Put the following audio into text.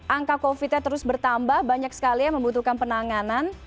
angka covid nya terus bertambah banyak sekali yang membutuhkan penanganan